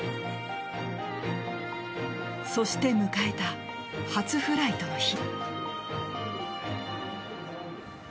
そして、迎えた初フライトの日。